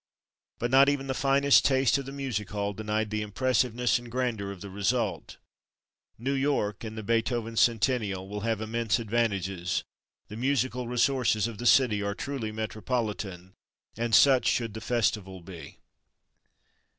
But not even the finest taste of the Music Hall denied the impressiveness and grandeur of the result. New York, in the Beethoven Centennial, will have immense advantages. The musical resources of the city are truly "metropolitan," and such should the festival be.